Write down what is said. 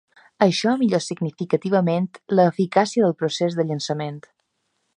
Això millor significativament la eficàcia del procés de llançament.